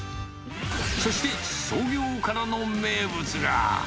そして、創業からの名物が。